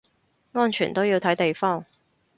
安全都要睇地方